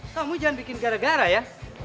kamu jangan bikin gara gara ya